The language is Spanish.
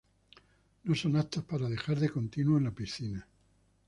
No son aptos para dejar de continuo en la piscina.